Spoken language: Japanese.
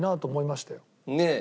ねえ。